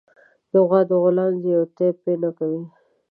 د غوا د غولانځې يو تی پئ نه کوي